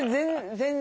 全然。